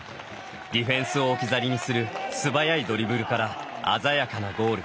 ディフェンスを置き去りにする素早いドリブルから鮮やかなゴール。